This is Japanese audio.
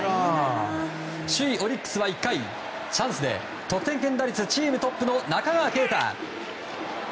首位オリックスは１回チャンスで、得点圏打率チームトップの中川圭太。